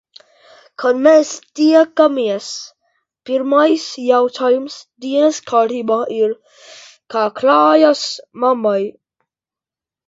Kad mēs tiekamies, pirmais jautājums dienas kārtībā ir - kā klājas mammai?